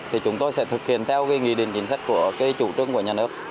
thì chúng tôi sẽ thực hiện theo cái nghị định chính sách của cái chủ trương của nhà nước